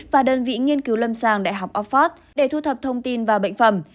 và đơn vị nghiên cứu lâm sàng đại học oxford để thu thập thông tin và bệnh phẩm